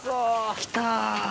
来た。